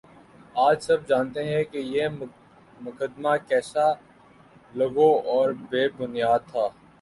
آج سب جانتے ہیں کہ یہ مقدمہ کیسا لغو اور بے بنیادتھا